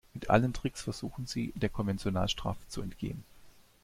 Mit allen Tricks versuchen sie, der Konventionalstrafe zu entgehen.